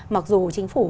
mặc dù chính phủ